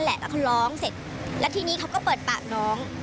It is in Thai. แล้วเขาร้องเสร็จแล้วทีนี้เขาก็เปิดปากน้อง